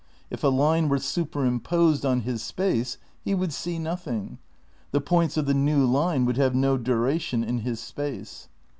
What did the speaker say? If a line were superimposed on his space he would see nothing. The points of the new line would have no duration in his space.